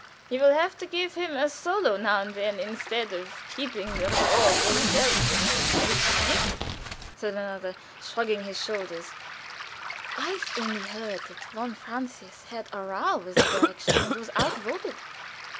He will have to give him a solo now and then instead of keeping them all for himself." "Weiss 's nit," said another, shrugging his shoulders, "I've only heard that von Francius had a row with the Direction, and was outvoted."